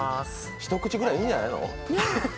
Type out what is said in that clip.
一口ぐらいいいんじゃないの？